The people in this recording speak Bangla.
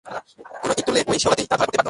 কোনো ইট তুললে, ওই শ্যাওলাতেই তা ধরা পড়তে বাধ্য।